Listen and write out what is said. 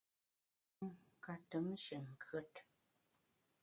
Mo’ nkam mbem ka ntùm nshin nkùet.